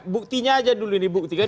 buktinya aja dulu dibuktikan